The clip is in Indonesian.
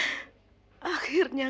aku bisa berjaya